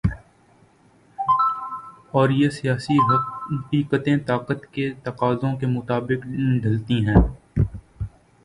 اور یہ سیاسی حقیقتیں طاقت کے تقاضوں کے مطابق ڈھلتی ہیں۔